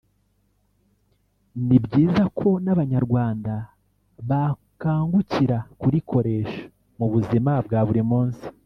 ni byiza ko n’Abanyarwanda bakangukira kurikoresha mu buzima bwa buri munsi